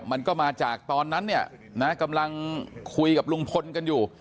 มันก็มาจากตอนนั้นเนี่ยนะกำลังคุยกับลุงพลกันอยู่